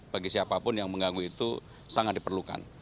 bagi siapapun yang mengganggu itu sangat diperlukan